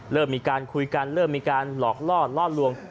เริ่มมีการคุยกันเริ่มมีการหลอกล่อล่อลวง